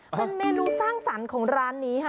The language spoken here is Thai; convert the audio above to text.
เป็นเมนูสร้างสรรค์ของร้านนี้ค่ะ